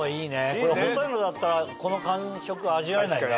これ細いのだったらこの感触味わえないね。